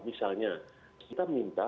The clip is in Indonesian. misalnya kita minta